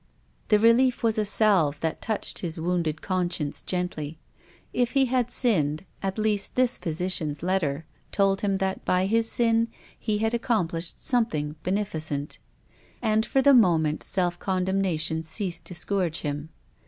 The relief was a salve that touched his wounded conscience gently. If he had sinned, at least this physician's letter told him that by his sin he had accomplished something beneficent. And for the moment self condemnation ceased to scourge him.